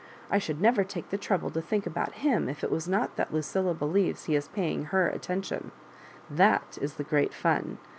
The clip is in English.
I should never take the trouble to think about him if it was not that Lucilla believes he is pay ing her attention— that is the great fun.